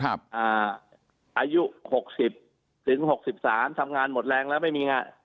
อายุ๖๐ถึง๖๓ทำงานหมดแรงแล้วไม่มีงาน